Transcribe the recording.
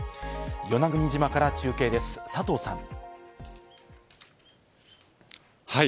与那国島から中継です、佐藤さん。